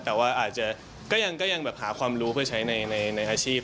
แต่ว่าอาจจะก็ยังแบบหาความรู้เพื่อใช้ในอาชีพ